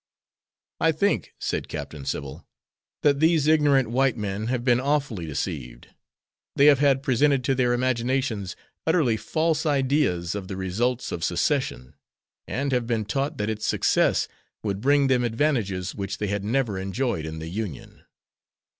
"I think," said Captain Sybil "that these ignorant white men have been awfully deceived. They have had presented to their imaginations utterly false ideas of the results of Secession, and have been taught that its success would bring them advantages which they had never enjoyed in the Union."